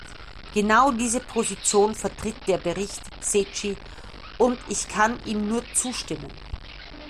Genau diese Position vertritt der Bericht Secchi, und ich kann ihm nur zustimmen.